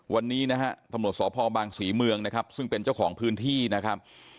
วันนี้นะฮะตำรวจสพบางศรีเมืองนะครับซึ่งเป็นเจ้าของพื้นที่นะครับ